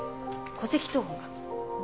戸籍謄本。